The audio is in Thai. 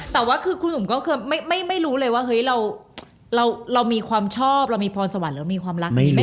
แต่ว่าคือคุณนุ่มก็ไม่รู้เลยว่าเรามีความชอบเรามีพรสวรรค์เรามีความรักไม่เคยรู้